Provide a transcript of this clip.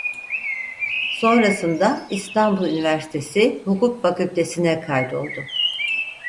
Sonrasında İstanbul Üniversitesi Hukuk Fakültesi'ne kaydoldu.